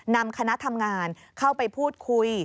นำคณะทำงานเข้าไปพูดคุย